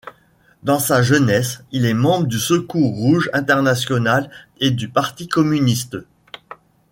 Dans sa jeunesse il est membre du Secours rouge international et du parti communiste.